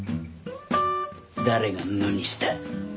誰が無にした？